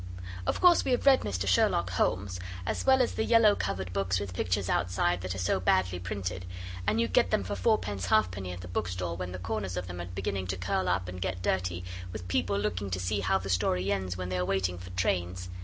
Of course we have read Mr Sherlock Holmes, as well as the yellow covered books with pictures outside that are so badly printed; and you get them for fourpence halfpenny at the bookstall when the corners of them are beginning to curl up and get dirty, with people looking to see how the story ends when they are waiting for trains.